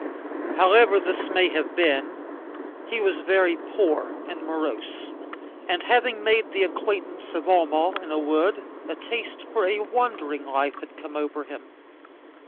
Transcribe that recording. However this may have been, he was very poor and morose, and having made the acquaintance of Homo in a wood, a taste for a wandering life had come over him.